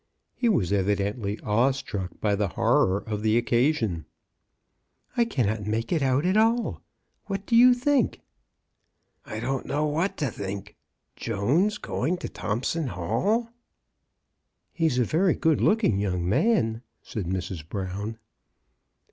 He was evi dently awe struck by the horror of the occa sion. " I cannot make it out at all. What do you think?" 68 CHRISTMAS AT THOMPSON HALL. "I don't know what to think. Jones going to Thompson Hall !"He's a very good looking young man," said Mrs. Brown.